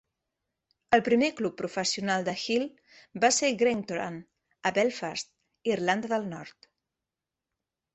El primer club professional de Hill va ser Glentoran, a Belfast, Irlanda del Nord.